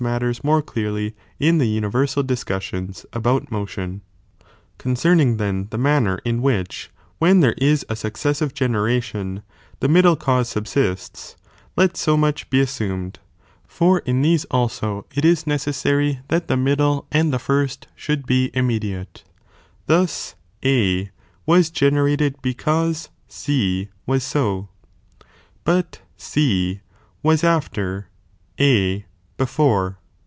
matters more clearly in the universal discussions about ™tlo».l ; v».p.,.f . Concerning then the manner in which, when , inthenma there ia u successive generation, the middle cause of pw hiii (u sub^ats, let BO much be assumed, for in these also plinctpieor it ia necessary that the middle and the first should ^°""'"* be iuimediuie, thus A was generated because C was Bu, but C was after, A before.